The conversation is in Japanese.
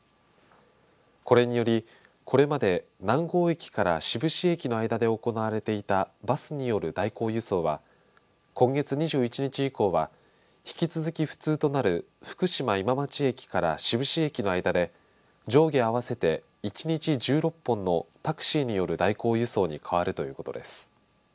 これによりこれまで南郷駅から志布志駅の間で行われていたバスによる代行輸送は今月２１日以降は引き続き不通となる福島今町駅から志布志駅の間で上下合わせて一日１６本のタクシーによる代行輸送に変わるということです。